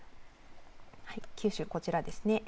九州、こちらです。